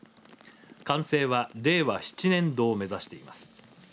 完成は令和７年度を目指しています。